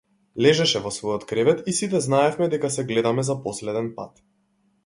Лежеше во својот кревет и сите знаевме дека се гледаме за последен пат.